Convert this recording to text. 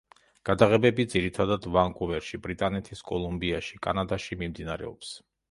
გადაღებები, ძირითადად, ვანკუვერში, ბრიტანეთის კოლუმბიაში, კანადაში მიმდინარეობს.